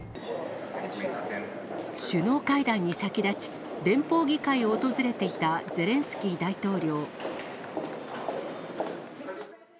首脳会談に先立ち、連邦議会を訪れていたゼレンスキー大統領。